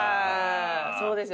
そうですよね